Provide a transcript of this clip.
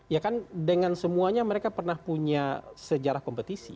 ya kan dengan semuanya mereka pernah punya sejarah kompetisi